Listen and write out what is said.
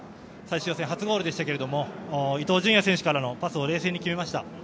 最終予選、初ゴールでしたが伊東純也選手からのパスを冷静に決めました。